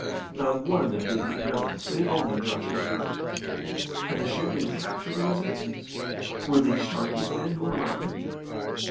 Not one of them did he know save only Joshua Hird. Had the ship been captured in his absence? Were these Sharkey's men who were around him?